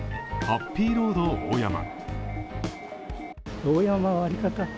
ハッピーロード大山。